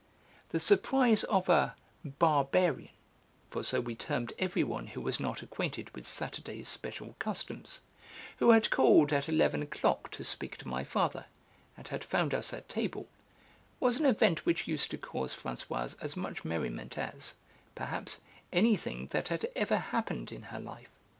The surprise of a 'barbarian' (for so we termed everyone who was not acquainted with Saturday's special customs) who had called at eleven o'clock to speak to my father, and had found us at table, was an event which used to cause Françoise as much merriment as, perhaps, anything that had ever happened in her life.